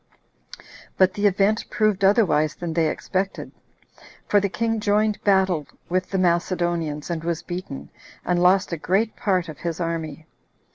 But the event proved otherwise than they expected; for the king joined battle with the Macedonians, and was beaten, and lost a great part of his army.